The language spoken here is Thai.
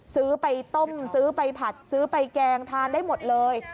ซื้อไปต้มซื้อไปผัดซื้อไปแกงทานได้หมดเลย